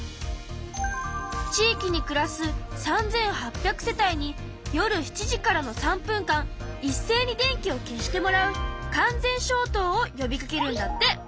地域に暮らす３８００世帯に夜７時からの３分間いっせいに電気を消してもらう完全消灯を呼びかけるんだって。